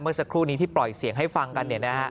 เมื่อสักครู่นี้ที่ปล่อยเสียงให้ฟังกัน